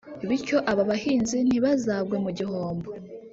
bityo aba bahinzi ntibazagwe mu gihombo